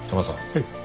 はい。